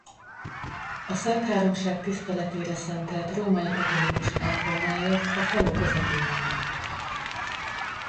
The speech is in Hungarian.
A Szentháromság tiszteletére szentelt római katolikus kápolnája a falu közepén áll.